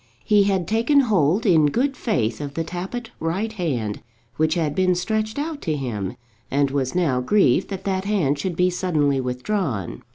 He had taken hold in good faith of the Tappitt right hand which had been stretched out to him, and was now grieved that that hand should be suddenly withdrawn.